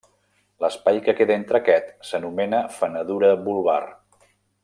L'espai que queda entre aquest s'anomena fenedura vulvar.